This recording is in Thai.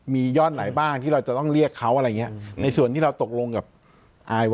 มีย่อนไหนบ้างที่เราจะต้องเรียกเขาอะไรอย่างเนี่ย